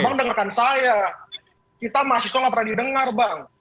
abang dengarkan saya kita mahasiswa tidak pernah didengar bang